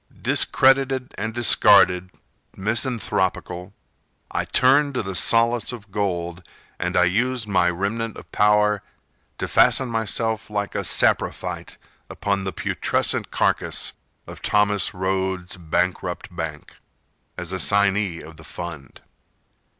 Discredited and discarded, misanthropical, I turned to the solace of gold And I used my remnant of power To fasten myself like a saprophyte Upon the putrescent carcass Of Thomas Rhodes, bankrupt bank, As assignee of the fund.